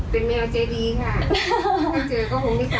เป็นแมวเจดีค่ะ